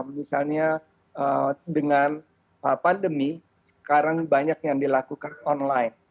misalnya dengan pandemi sekarang banyak yang dilakukan online